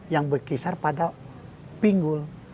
yang berkisar pada pinggul